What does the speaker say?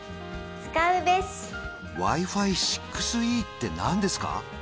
Ｗｉ−Ｆｉ６Ｅって何ですか？